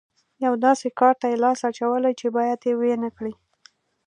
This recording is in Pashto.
یوه داسې کار ته یې لاس اچولی چې بايد ويې نه کړي.